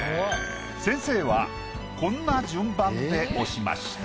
先生はこんな順番で押しました。